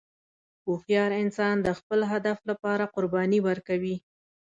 هوښیار انسان د خپل هدف لپاره قرباني ورکوي.